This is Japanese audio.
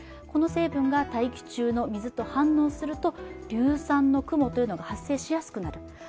この成分が大気中の水と反応すると硫酸の雲が発生しやすくなる。